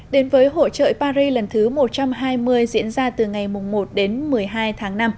đến với hội trợ paris lần thứ một trăm hai mươi diễn ra từ ngày một đến một mươi hai tháng năm